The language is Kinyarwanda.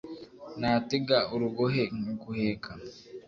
Natega urugohe nkaguheka